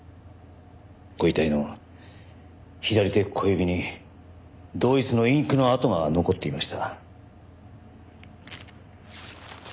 ご遺体の左手小指に同一のインクの跡が残っていました。